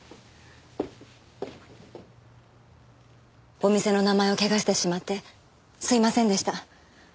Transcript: お店の名前を汚してしまってすみませんでした。